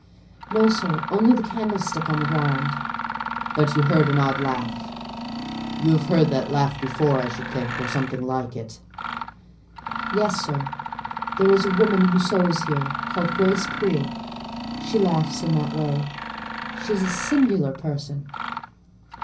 "No, sir, only the candlestick on the ground." "But you heard an odd laugh? You have heard that laugh before, I should think, or something like it?" "Yes, sir: there is a woman who sews here, called Grace Poole,—she laughs in that way. She is a singular person."